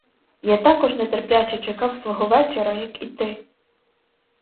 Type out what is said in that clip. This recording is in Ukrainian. Я також нетерпляче чекав свого вечора, як і ти.